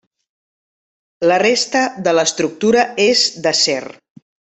La resta de l'estructura és d'acer.